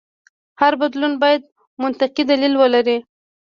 هر بدلون باید منطقي دلیل ولري.